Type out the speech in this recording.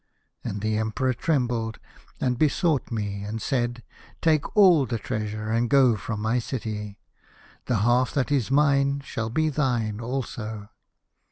" And the Emperor trembled, and besought me and said, ' Take all the treasure and go «_> from my city. The half that is mine shall be thine also.